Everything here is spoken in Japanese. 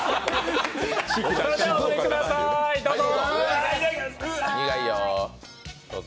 それではお飲みください、どうぞ。